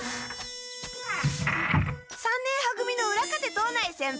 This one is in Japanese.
三年は組の浦風藤内先輩！